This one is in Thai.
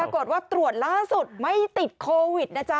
ปรากฏว่าตรวจล่าสุดไม่ติดโควิดนะจ๊ะ